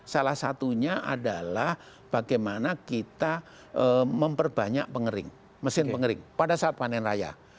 salah satunya adalah bagaimana kita memperbanyak pengering mesin pengering pada saat panen raya